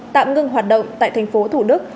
tạm ngưng hoạt động tại thành phố thủ đức